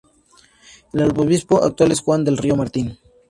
El arzobispo actual es Juan del Río Martín.